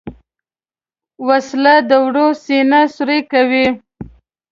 وسله د ورور سینه سوری کوي